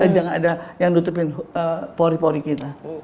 jangan ada yang nutupin pori pori kita